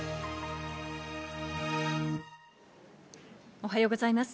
おはようございます。